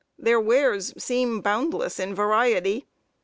Their wares seem boundless in variety.